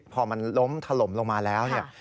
พอมันล้มถล่มลงมาแล้วเนี่ย